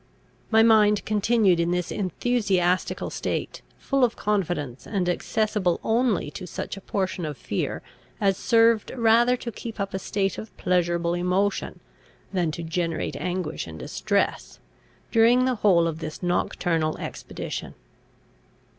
My mind continued in this enthusiastical state, full of confidence, and accessible only to such a portion of fear as served rather to keep up a state of pleasurable emotion than to generate anguish and distress, during the whole of this nocturnal expedition.